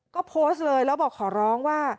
ก็โพสต์เลยแล้วบอกขอร้องว่า